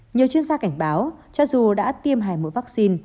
nhiều chuyên gia cảnh báo cho dù đã tiêm hai mũi vaccine